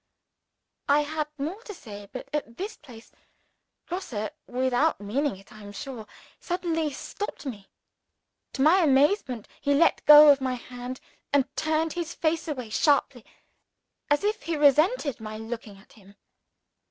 I had more to say but at this place, Grosse (without meaning it, I am sure) suddenly stopped me. To my amazement, he let go of my hand, and turned his face away sharply, as if he resented my looking at him.